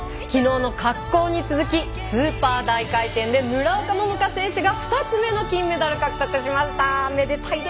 きのうの滑降に続きスーパー大回転で村岡桃佳選手が２つ目の金メダルを獲得しました。